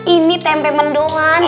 ini tempe mendomasi